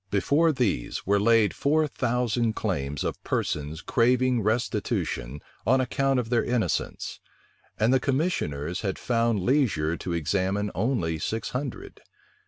Before these were laid four thousand claims of persons craving restitution on account of their innocence; and the commissioners had found leisure to examine only six hundred.